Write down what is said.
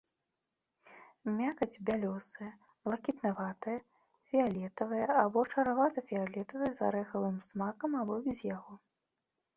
Мякаць бялёсая, блакітнаватая, фіялетавая або шаравата-фіялетавая, з арэхавым смакам або без яго.